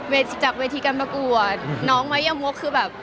แบบจากเวทีการประกวดน้องไว้อย่างโม้คคือแบบ